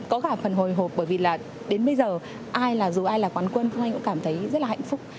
có cả phần hồi hộp bởi vì là đến bây giờ ai là dù ai là quán quân anh cũng cảm thấy rất là hạnh phúc